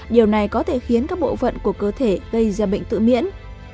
điều này có thể khiến các bộ phận của cơ thể gây ra bệnh tự miễn